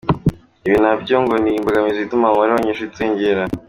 Ibi na byo ngo ni imbogamizi ituma umubare w’abanyeshuri utiyongera.